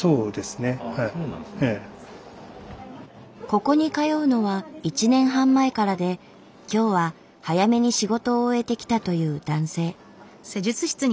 ここに通うのは１年半前からで今日は早めに仕事を終えて来たという男性。